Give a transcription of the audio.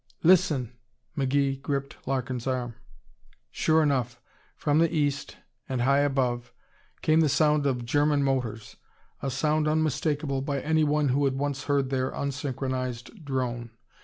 "Listen!" McGee gripped Larkin's arm. Sure enough, from the east, and high above, came the sound of German motors, a sound unmistakable by anyone who had once heard their unsynchronized drone.